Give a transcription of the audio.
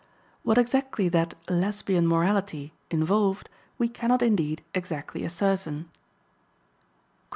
'" What exactly that "Lesbian morality" involved, we cannot indeed exactly ascertain.